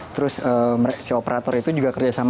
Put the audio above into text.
terus si operator itu juga kerjasama